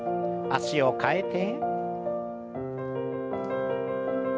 脚を替えて。